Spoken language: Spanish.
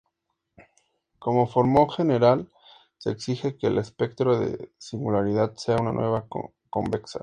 Como norma general, se exige que el espectro de singularidad sea una curva convexa.